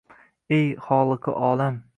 «Ey, xoliqi olam